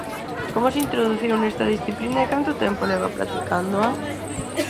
Como se introduciu nesta disciplina e canto tempo leva practicándoa?